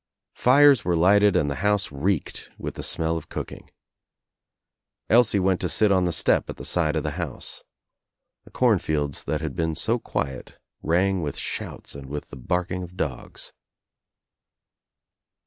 Fires weie lighted and the house reeked with the smell of cooking. Elsie went to sit on the step at the side of the house. The corn fields that had been so quiet rang with shouts and with the barking of dogs.